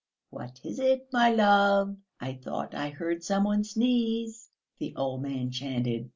"What is it, my love? I thought I heard some one sneeze," the old man chanted.